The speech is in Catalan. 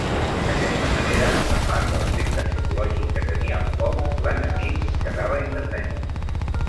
D'aquesta manera, a part de l'efecte psicològic que tenia el foc, l'enemic quedava indefens.